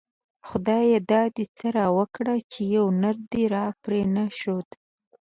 خدايه دا دی څه راوکړه ;چی يو نر دی راپری نه ښود